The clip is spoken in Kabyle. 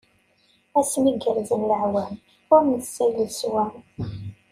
Asmi gerzen leɛwam, ur nessin leswam.